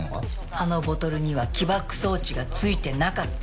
あのボトルには起爆装置がついてなかった。